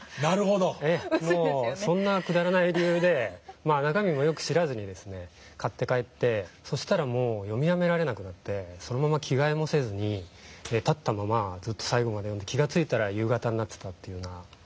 そんなくだらない理由で中身もよく知らずに買って帰ってそしたら読みやめられなくなってそのまま着替えもせずに立ったままずっと最後まで読んで気がついたら夕方になってた。